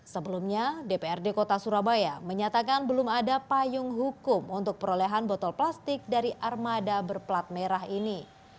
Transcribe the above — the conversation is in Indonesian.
sebelumnya dprd kota surabaya menyatakan belum ada payung hukum untuk perolehan botol plastik dari armada berplat merah ini